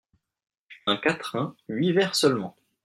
Un quatrain… huit vers seulement…